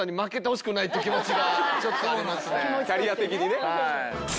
キャリア的にね。